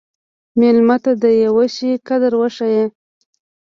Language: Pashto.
مېلمه ته د یوه شي قدر وښیه.